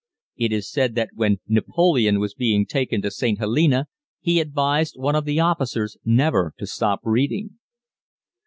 It is said that when Napoleon was being taken to St. Helena he advised one of the officers never to stop reading.